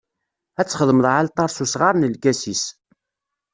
Ad txedmeḍ aɛalṭar s usɣar n lkasis.